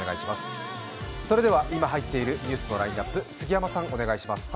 それでは、今入っているニュースのラインナップ、杉山さん、お願いします。